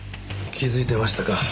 気づいてましたか。